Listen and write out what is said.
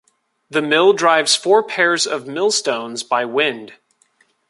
The mill drives four pairs of millstones by wind.